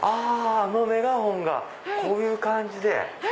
あのメガホンがこういう感じで。